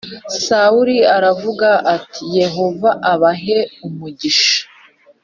Sawuli aravuga ati Yehova abahe umugisha